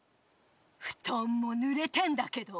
ふとんもぬれてんだけど。